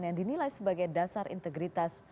yang dinilai sebagai dasar integritas